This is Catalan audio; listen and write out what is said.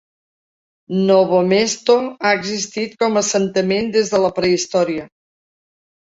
Novo Mesto ha existit com a assentament des de la prehistòria.